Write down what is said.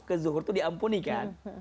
ke zuhur itu diampuni kan